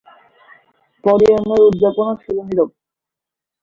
পডিয়ামের উদযাপনও ছিল নীরব।